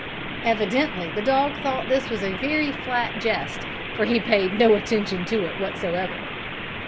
Evidently the dog thought this a very flat jest, for he paid no attention to it whatever.